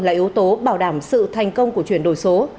là yếu tố bảo đảm sự thành công của chuyển đổi số